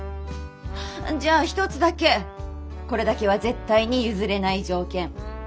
じゃあ一つだけこれだけは絶対に譲れない条件。